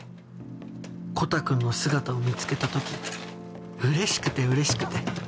コタくんの姿を見つけたとき嬉しくて嬉しくて。